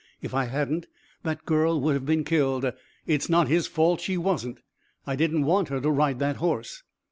If I hadn't that girl would have been killed. It's not his fault she wasn't. I didn't want her to ride that horse."